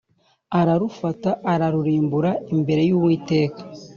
Ararufata aruramburira imbere y’Uwiteka